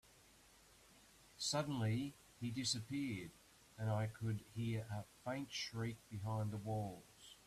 Suddenly, he disappeared, and I could hear a faint shriek behind the walls.